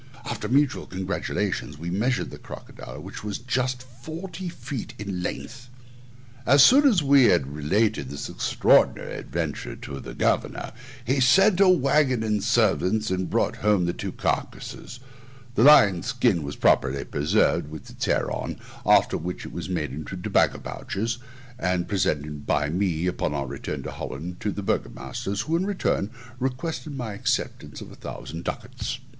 After mutual congratulations, we measured the crocodile, which was just forty feet in length. As soon as we had related this extraordinary adventure to the governor, he sent a waggon and servants, who brought home the two carcases. The lion's skin was properly preserved, with its hair on, after which it was made into tobacco pouches, and presented by me, upon our return to Holland, to the burgomasters, who, in return, requested my acceptance of a thousand ducats.